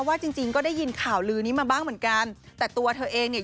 จริงจริงก็ได้ยินข่าวลือนี้มาบ้างเหมือนกันแต่ตัวเธอเองเนี่ย